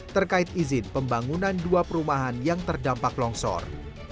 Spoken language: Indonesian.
terkait izin pembangunan dua perumahan yang terdampak longsor